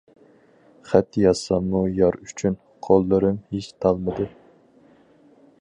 خەت يازساممۇ يار ئۈچۈن، قوللىرىم ھېچ تالمىدى.